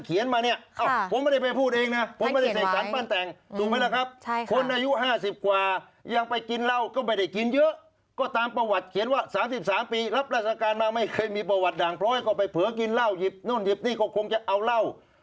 ปีนึงก็มาประจำสอนอนละ